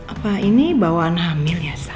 apa ini bawaan hamil ya